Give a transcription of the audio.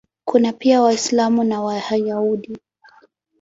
Kuna pia Waislamu na Wayahudi.